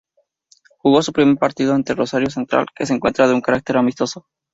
Jugó su primer partido ante Rosario Central en un encuentro de carácter amistoso.